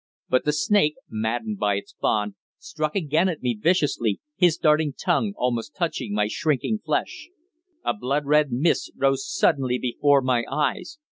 But the snake, maddened by its bond, struck again at me viciously, his darting tongue almost touching my shrinking flesh. A blood red mist rose suddenly before my eyes.